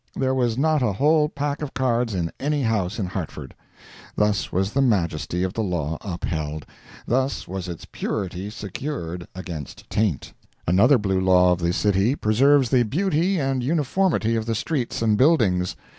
There was not a whole pack of cards in any house in Hartford. Thus was the majesty of the law upheld—thus was its purity secured against taint. Another blue law of the city preserves the beauty and uniformity of the streets and buildings.